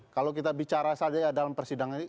kalau kita bicara saja dalam persidangan ini